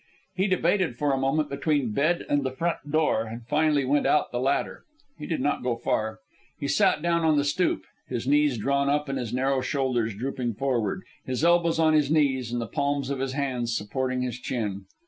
He debated for a moment between bed and the front door, and finally went out the latter. He did not go far. He sat down on the stoop, his knees drawn up and his narrow shoulders drooping forward, his elbows on his knees and the palms of his hands supporting his chin.